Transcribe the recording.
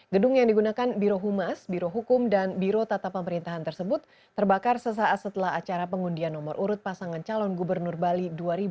gedung yang digunakan birohumas biro hukum dan biro tata pemerintahan tersebut terbakar sesaat setelah acara pengundian nomor urut pasangan calon gubernur bali dua ribu dua puluh